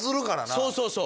そうそうそう。